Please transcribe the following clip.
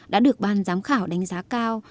đã được ban giám khảo đánh giá cao